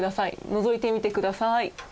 のぞいてみてください。